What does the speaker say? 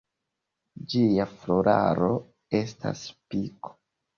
Ĝia floraro estas spiko.